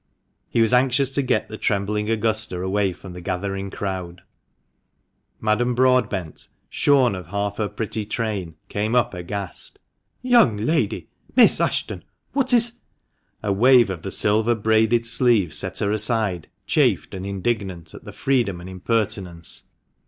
He was anxious to get the trembling Augusta away from the gathering crowd. Madame Broadbent, shorn of half her pretty train, came up aghast. " Young lady ! Miss Ashton ! What is " A wave of the silver braided sleeve set her aside, chafed and indignant at the freedom and impertinence.